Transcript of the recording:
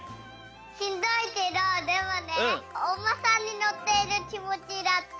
しんどいけどでもねおうまさんにのってるきもちだった。